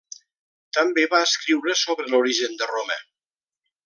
També va escriure sobre l'origen de Roma.